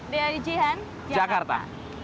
dari jihan jakarta